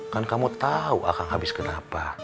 kan kamu tahu akan habis kenapa